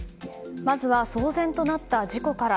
まずは騒然となった事故から。